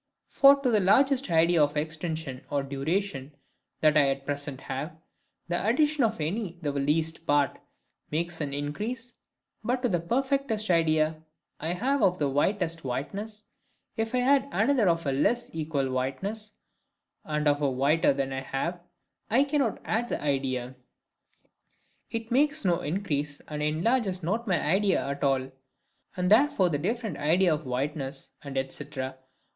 For to the largest idea of extension or duration that I at present have, the addition of any the least part makes an increase; but to the perfectest idea I have of the whitest whiteness, if I add another of a less equal whiteness, (and of a whiter than I have, I cannot add the idea,) it makes no increase, and enlarges not my idea at all; and therefore the different ideas of whiteness, &c.